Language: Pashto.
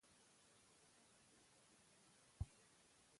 وخت د سم پلان غوښتنه کوي